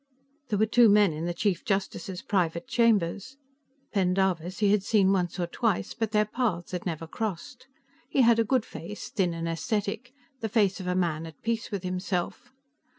There were two men in the Chief Justice's private chambers. Pendarvis he had seen once or twice, but their paths had never crossed. He had a good face, thin and ascetic, the face of a man at peace with himself.